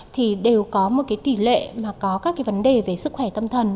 thì đều có một cái tỷ lệ mà có các cái vấn đề về sức khỏe tâm thần